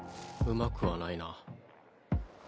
うまくはないな。